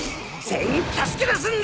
全員助け出すんだ！